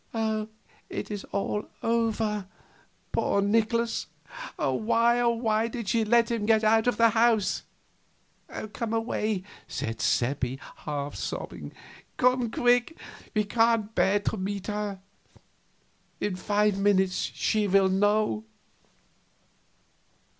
"Oh, it is all over poor Nikolaus! Why, oh, why did she let him get out of the house!" "Come away," said Seppi, half sobbing, "come quick we can't bear to meet her; in five minutes she will know."